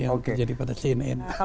yang menjadi pada cnn